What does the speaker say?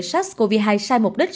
sars cov hai sai mục đích